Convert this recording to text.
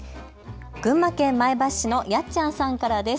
群馬県前橋市のやっちゃんさんからです。